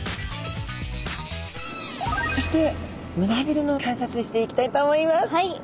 そして胸びれの観察していきたいと思います。